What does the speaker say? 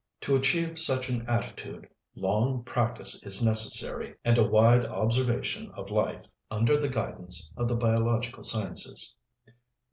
To achieve such an attitude long practise is necessary, and a wide observation of life under the guidance of the biological sciences.